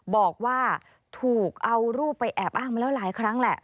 บอกว่าถูกเอารูปไปแอบอ้างมาแล้วหลายครั้งแหละ